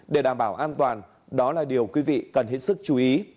để đảm bảo an toàn đó là điều quý vị cần hết sức chú ý